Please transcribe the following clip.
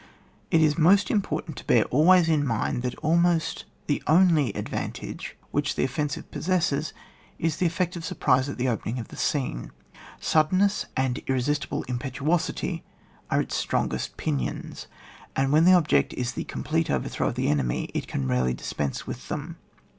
It is most important to bear always in mind that almost the only advantage which the offensive possesses, is the effect of surprise at the opening of the scene. Suddenness and irresistible impetuosity are its strongest pinions ; and when the object is the complete overthrow of the enemy, it can rarely dispense with them.